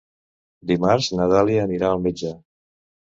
Dimarts na Dàlia anirà al metge.